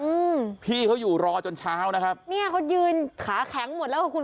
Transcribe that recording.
อืมพี่เขาอยู่รอจนเช้านะครับเนี้ยเขายืนขาแข็งหมดแล้วค่ะคุณ